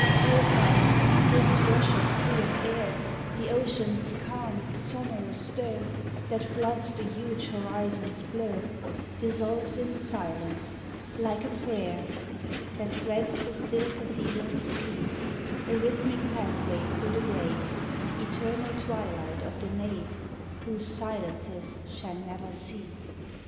O Heart ! this wash of fluent air, The ocean's calm sonorous stir, That floods the huge horizon's blur, Dissolves in silence, like a prayer 62 NANT That threads the still cathedral's peace, A rhythmic pathway thro' the grave, Eternal twilight of the nave, Whose silences shall never cease.